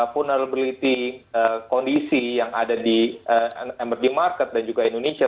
vulnerability kondisi yang ada di emerging market dan juga indonesia